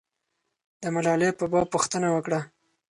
د ملالۍ په باب پوښتنه وکړه.